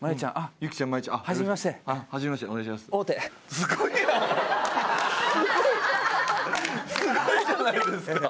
すごいじゃないですか！